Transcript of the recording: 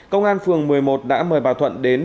công an phường một mươi một đã mời bà thuận đến